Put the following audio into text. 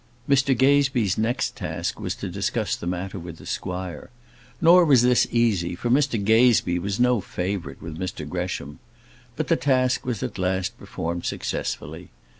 Mr Gazebee's next task was to discuss the matter with the squire. Nor was this easy, for Mr Gazebee was no favourite with Mr Gresham. But the task was at last performed successfully.